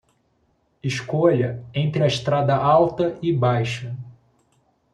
Escolha entre a estrada alta e baixa.